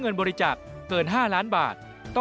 ๕เงินจากการรับบริจาคจากบุคคลหรือนิติบุคคล